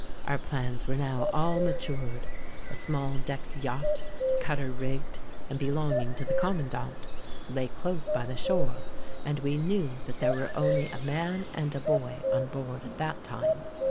Our plans were now all matured. A small decked yacht, cutter rigged, and belonging to the Commandant, lay close by the shore; and we knew that there were only a man and a boy on board at that time.